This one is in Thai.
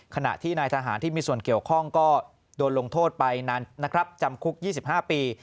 ขณะที่นายทหารที่มีส่วนเกี่ยวข้องก็โดนลงโทษไปนานนะครับจำคุก๒๕ปี